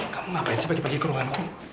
kamu ngapain sih pagi pagi keruhanku